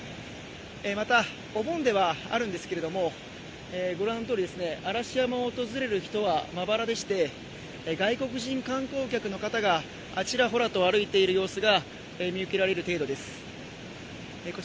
また、お盆ではあるですけどもご覧のとおり嵐山を訪れる人はまばらでして外国人観光客の方がちらほらと歩いている様子が見受けられる程度です。